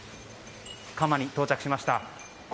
窯に到着しました。